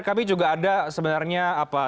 tapi juga ada sebenarnya